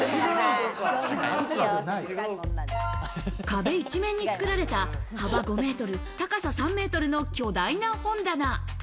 壁一面に作られた幅５メートル、高さ３メートルの巨大な本棚。